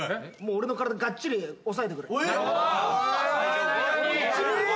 俺の体がっちり押さえてくれ。